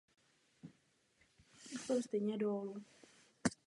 Byl děkanem Institutu architektury na Univerzitě v Oslu.